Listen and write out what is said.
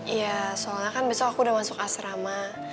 iya soalnya kan besok aku udah masuk asrama